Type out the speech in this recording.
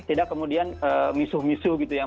tidak kemudian misuh misu gitu ya